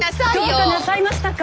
どうかなさいましたか？